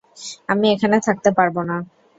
আমি এখানে থাকতে পারবো না।